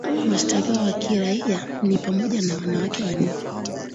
Washtakiwa wa kiraia ni pamoja na wanawake wanne.